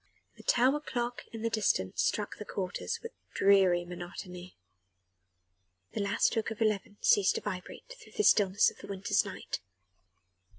The tower clock in the distance struck the quarters with dreary monotony. III The last stroke of eleven ceased to vibrate through the stillness of the winter's night.